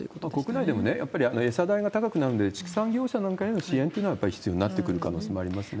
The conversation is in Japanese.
国内でもやっぱり、餌代が高くなるので、畜産業者なんかへの支援というのはやっぱり必要になってくる可能性もありますね。